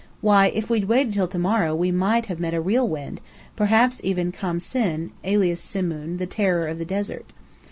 Why, if we'd waited till to morrow we might have met a real wind, perhaps even Khamsin, alias Simoom, the terror of the desert.